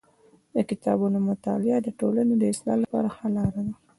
د کتابونو مطالعه د ټولني د اصلاح لپاره ښه لار ده.